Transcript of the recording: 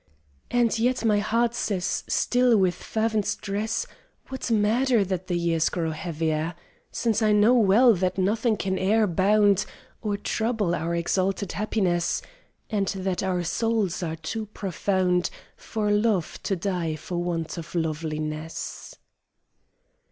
And yet my heart says still with fervent stress: What matter that the years grow heavier? Since I know well that nothing can e'er bound Or trouble our exalted happiness, And that our souls are too profound For love to die for want of loveliness.